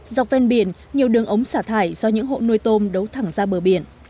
dọc ven biển nhiều đường ống xả thải do những hộ nuôi tôm đấu thẳng ra bờ biển